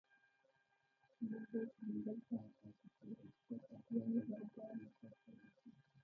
چې موږ باید همدلته پاتې شو، ته ټپيان له دغه ځایه مرکز ته ورسوه.